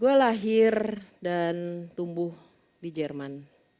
gue lahir dan tumbuh di jerman